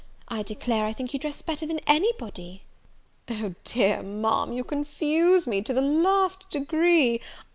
I declare, I think you dress better than any body." "O, dear Ma'am, you confuse me to the last degree!